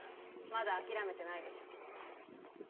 まだ諦めてないでしょ？